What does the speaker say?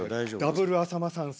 ダブルあさま山荘。